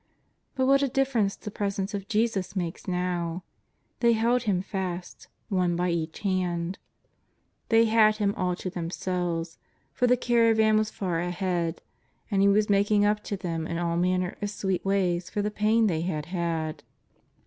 But what a difference the presence of Jesus makes now! They held Him fast, one by each hand. They had JESUS OF NAZARETH. 97 Him all to themselves, for the caravan was far ahead. And He was making up to them in all manner of sweet ways for the pain they had had.